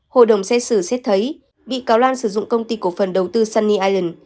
hội đồng xét xử xét thấy bị cáo lan sử dụng công ty cổ phần đầu tư sunny ireland